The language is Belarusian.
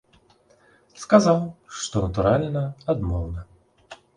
Сказаў, што, натуральна, адмоўна.